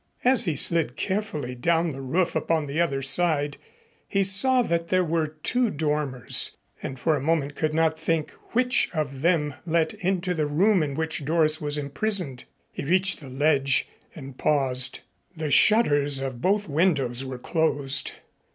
As he slid carefully down the roof upon the other side, he saw that there were two dormers, and for a moment could not think which of them let into the room in which Doris was imprisoned. He reached the ledge and paused. The shutters of both windows were closed.